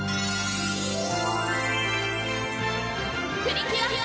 プリキュア！